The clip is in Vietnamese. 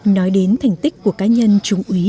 nói đến thành tích của cá nhân trung ý